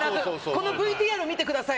このＶＴＲを見てください